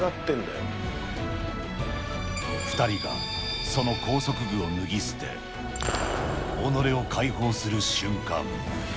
２人はその拘束具を脱ぎ捨て、己を解放する瞬間。